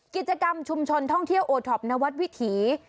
กิจกรรมชุมชนท่องเที่ยวโอท็อปนวัดวิถี